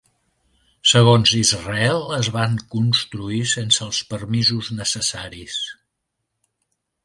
Segons Israel, es van construir sense els permisos necessaris.